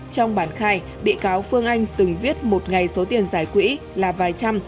trong bản khai bị cáo phương anh từng viết một ngày số tiền giải quỹ là vài trăm